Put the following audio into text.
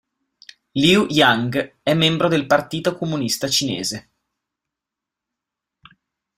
Liu Yang è membro del Partito Comunista Cinese.